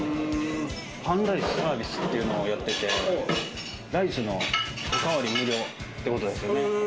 半ライスサービスっていうのをやってて、ライスのおかわり無料ってことですよね。